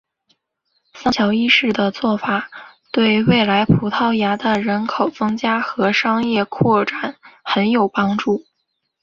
桑乔一世的做法对未来葡萄牙的人口增加和商业扩展很有帮助。